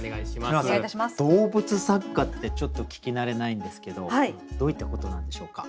まず動物作家ってちょっと聞き慣れないんですけどどういったことなんでしょうか？